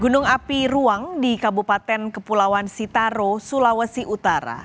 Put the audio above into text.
gunung api ruang di kabupaten kepulauan sitaro sulawesi utara